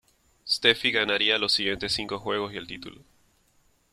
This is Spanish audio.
Steffi ganaría los siguientes cinco juegos y el título.